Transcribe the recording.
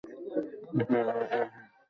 এটি একটি দীর্ঘ প্রক্রিয়া ছিল।